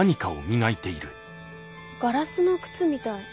ガラスの靴みたい。